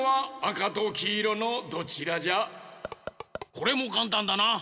これもかんたんだな！